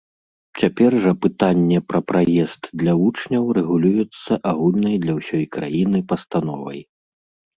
Цяпер жа пытанне пра праезд для вучняў рэгулюецца агульнай для ўсёй краіны пастановай.